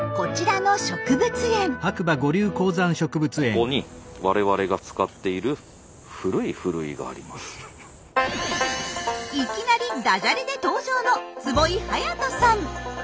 ここに我々が使っているいきなりダジャレで登場の坪井勇人さん。